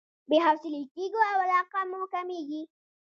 بې حوصلې کېږو او علاقه مو کميږي.